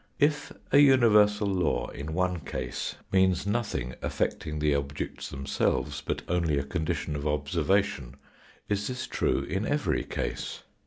If a universal law in one case means nothing affecting the objects themselves, but only a condition of observa tion, is this true in every case?